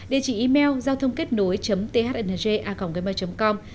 địa chỉ email giao thôngkếtnối thng acomgmail com